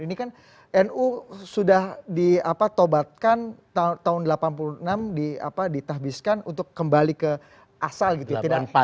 ini kan nu sudah di tobatkan tahun delapan puluh enam di tabiskan untuk kembali ke asal gitu ya